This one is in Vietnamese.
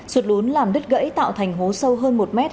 sụt lún làm đứt gãy tạo thành hố sâu hơn một mét